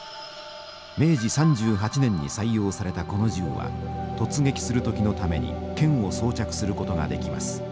明治３８年に採用されたこの銃は突撃する時のために剣を装着することができます。